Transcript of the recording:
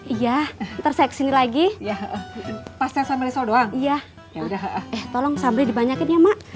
iya terseksi lagi ya pasal sama rizal doang ya ya udah eh tolong sambil dibanyakin ya